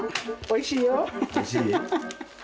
おいしい？